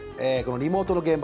リモートの現場。